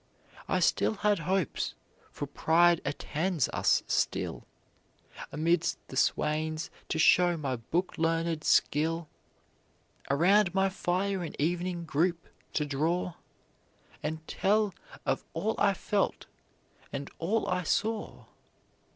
I still had hopes for pride attends us still Amidst the swains to show my book learned skill, Around my fire an evening group to draw, And tell of all I felt and all I saw.